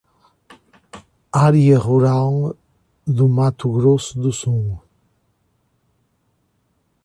Área Rual do Mato Grosso do Sul